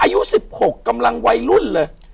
อายุ๑๖กำลังวัยรุ่นเลย